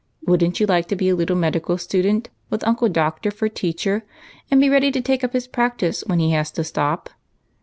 Would n't you like to be a little medical student with Uncle Doctor for teacher, and be ready to take up his practice when he has to stop